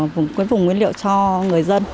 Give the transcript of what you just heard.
với vùng nguyên liệu cho người dân